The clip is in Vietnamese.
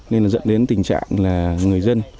nên là dẫn đến tình trạng là người dân